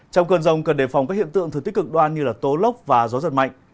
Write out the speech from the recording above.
trong cơn rông cần đề phòng các hiện tượng thực tích cực đoan như tố lốc và gió giật mạnh